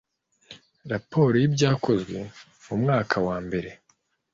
raporo y ibyakozwe mu mwaka wa mbere